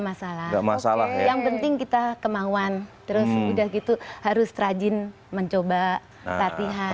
masalah masalah yang penting kita kemauan terus udah gitu harus rajin mencoba latihan